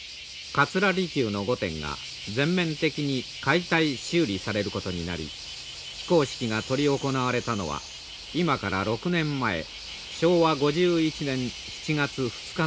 桂離宮の御殿が全面的に解体修理されることになり起工式が執り行われたのは今から６年前昭和５１年７月２日のことでした。